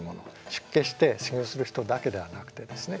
出家して修行する人だけではなくてですね